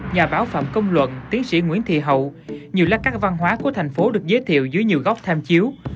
nhà báo phẩm công luận tiến sĩ nguyễn thị hậu nhiều lát các văn hóa của thành phố được giới thiệu dưới nhiều góc tham chiếu